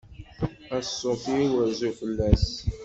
A ṣṣut-iw rzu fell-as.